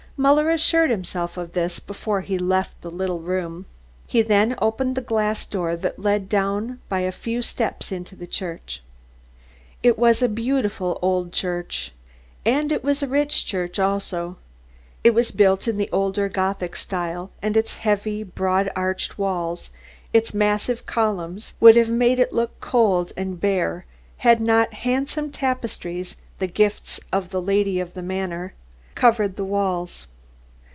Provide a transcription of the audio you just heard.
Muller assured himself of this before he left the little room. He then opened the glass door that led down by a few steps into the church. It was a beautiful old church, and it was a rich church also. It was built in the older Gothic style, and its heavy, broad arched walls, its massive columns would have made it look cold and bare had not handsome tapestries, the gift of the lady of the manor, covered the walls.